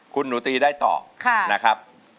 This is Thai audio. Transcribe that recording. คุณหนูตีได้ตอบนะครับ